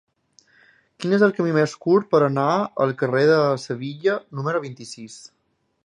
Quin és el camí més curt per anar al carrer de Sevilla número vint-i-sis?